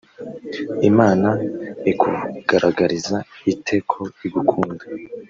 imana ikugaragariza ite ko igukunda